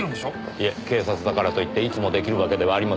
いえ警察だからといっていつも出来るわけではありませんよ。